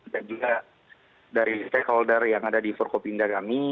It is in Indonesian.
dan juga dari stakeholder yang ada di forkopinda kami